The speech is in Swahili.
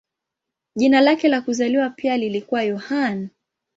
Jina lake la kuzaliwa pia lilikuwa Yohane.